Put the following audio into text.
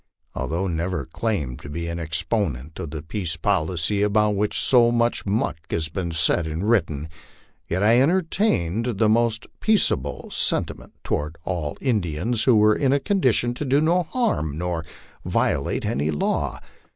" Although never claimed as an exponent of the peace policy about which so muck has been said and written, yet I entertained the most peaceable senti ments toward all Indians who were in a condition to do no harm nor violate any law.